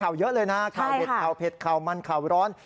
เยอะเลยนะข่าวเด็ดข่าวเผ็ดข่าวมันข่าวร้อน